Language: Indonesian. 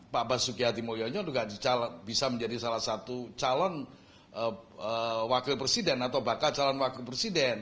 pak basuki hadi mulyono juga bisa menjadi salah satu calon wakil presiden atau bakal calon wakil presiden